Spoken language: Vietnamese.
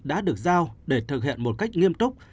đã được giao để thực hiện một cách nghiêm túc